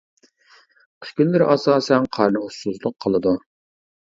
قىش كۈنلىرى ئاساسەن قارنى ئۇسسۇزلۇق قىلىدۇ.